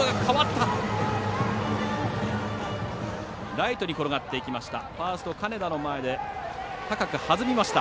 ライトに転がっていきました。